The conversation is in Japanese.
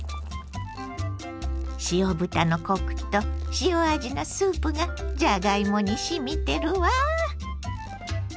塩豚のコクと塩味のスープがじゃがいもにしみてるわ。